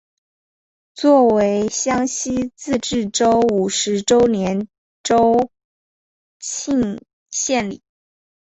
作为湘西自治州五十周年州庆献礼。